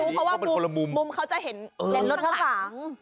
เรียกเขาจะไม่รู้เพราะว่ามุมเขาจะเห็นข้างหลัง